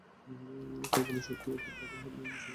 কল্পনাশক্তি অধিক প্রবল হইলে বিষয়বস্তু দৃষ্ট হয়।